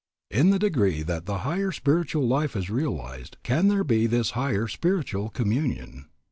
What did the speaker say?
In the degree that the higher spiritual life is realized can there be this higher spiritual communion.